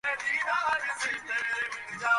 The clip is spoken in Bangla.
বলা কিন্তু দরকার, নয়?